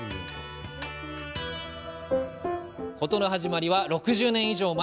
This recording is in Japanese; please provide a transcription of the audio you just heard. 事の始まりは６０年以上前。